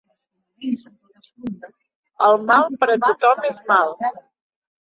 El mal per a tothom és mal.